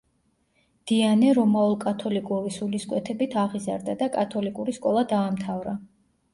დიანე რომაულ-კათოლიკური სულისკვეთებით აღიზარდა და კათოლიკური სკოლა დაამთავრა.